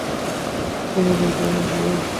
পড়ে দেখবেন একবার।